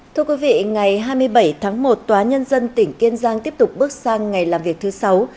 thưa quý vị ngày hai mươi bảy tháng một tòa nhân dân tỉnh kiên giang tiếp tục bước sang ngày làm việc thứ sáu